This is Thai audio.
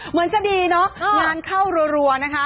เหมือนจะดีเนาะงานเข้ารัวนะคะ